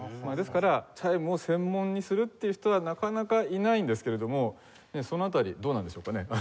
ですからチャイムを専門にするっていう人はなかなかいないんですけれどもその辺りどうなんでしょうかね？